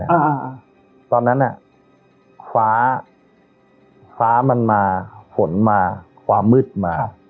อ่าตอนนั้นอ่ะฟ้าคว้ามันมาฝนมาความมืดมา